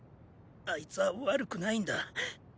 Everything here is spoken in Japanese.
あいつは悪くないんだ！